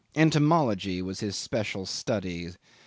Entomology was his special study.